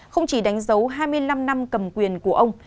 không chỉ đánh dấu hai mươi năm năm cầm quyền của ông